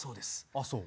あっそう。